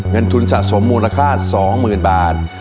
เงินทุนสะสมมูลค่า๒๐๐๐บาท